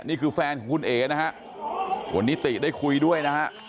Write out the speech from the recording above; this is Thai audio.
นี่คือแฟนของคุณเอ๋นะฮะวันนี้ติได้คุยด้วยนะฮะ